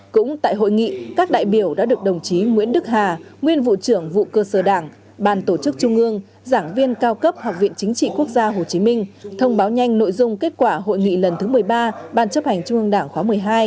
cũng tại hội nghị các đại biểu đã được đồng chí nguyễn đức hà nguyên vụ trưởng vụ cơ sở đảng ban tổ chức trung ương giảng viên cao cấp học viện chính trị quốc gia hồ chí minh thông báo nhanh nội dung kết quả hội nghị lần thứ một mươi ba ban chấp hành trung ương đảng khóa một mươi hai